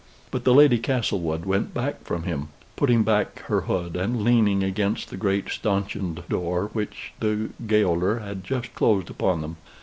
But the Lady Castlewood went back from him, putting back her hood, and leaning against the great stanchioned door which the gaoler had just closed upon them.